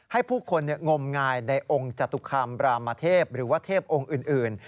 ให้ผู้คนงมงายในองค์จตุคามรามเทพหรือว่าเทพองค์อื่น